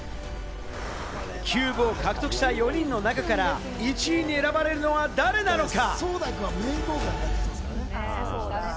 キューブを獲得者４人の中から、１位に選ばれるのは誰なのか？